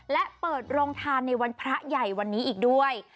และเปิดโรงทานในวันพระใหญ่วันนี้อีกด้วย